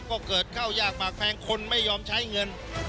ก็เกิดเข้ายากมากแพงคนไม่ยอมใช้เงิน